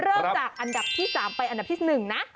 เริ่มจากอันดับที่๓ไปอันดับที่๑นะ